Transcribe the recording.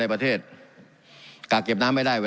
การปรับปรุงทางพื้นฐานสนามบิน